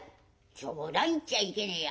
「冗談言っちゃいけねえや。